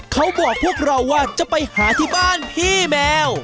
เขาบอกพวกเราว่าจะไปหาที่บ้านพี่แมว